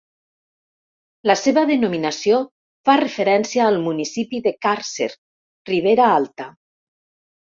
La seva denominació fa referència al municipi de Càrcer, Ribera Alta.